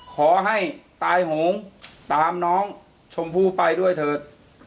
ขอให้ตายโหงตามน้องชมพู่ไปด้วยเถอะ